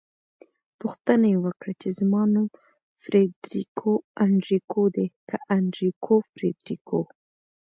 پوښتنه يې وکړه چې زما نوم فریدریکو انریکو دی که انریکو فریدریکو؟